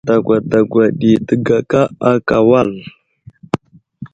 Dagwa dagwa ɗi təgaka aka wal.